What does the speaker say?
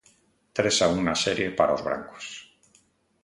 Tres a un na serie para os brancos.